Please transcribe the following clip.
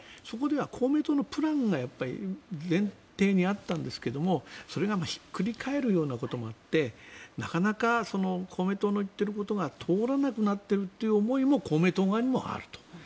そこでは公明党のプランが前提にあったんですけどそれがひっくり返るようなこともあってなかなか公明党の言っていることが通らなくなっているという思いも公明党側にもあると。